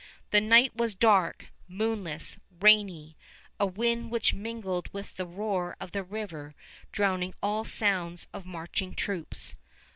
The night was dark, moonless, rainy, a wind which mingled with the roar of the river drowning all sound of marching troops.